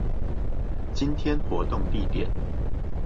今天活動地點